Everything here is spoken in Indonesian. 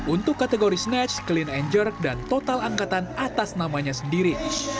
untuk kategori snatch clean and jerk dan total angkatan atas namanya sendiri